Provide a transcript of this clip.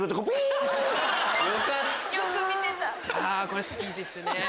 これ好きですね。